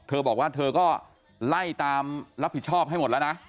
เธอบอกว่าเธอก็ไล่ตามรับผิดชอบให้หมดแล้วนะ